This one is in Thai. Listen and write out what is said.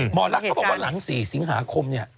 หมอลักษ์เขาบอกว่าหลัง๔สิงหาคมเนี่ย